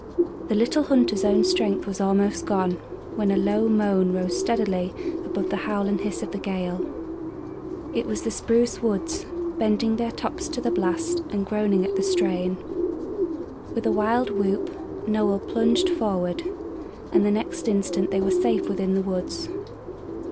The little hunter's own strength was almost gone, when a low moan rose steadily above the howl and hiss of the gale. It was the spruce woods, bending their tops to the blast and groaning at the strain. With a wild whoop Noel plunged forward, and the next instant they were safe within the woods.